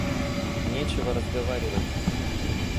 Нечего разговаривать!